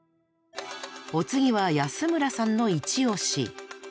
お次は安村さんのイチ推し。